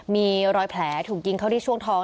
มีรอยแผลถูกยิงเข้าที่ช่วงท้อง